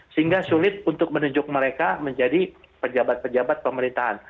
sehingga sulit untuk menunjuk mereka menjadi pejabat pejabat pemerintahan